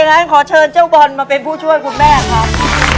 งั้นขอเชิญเจ้าบอลมาเป็นผู้ช่วยคุณแม่ครับ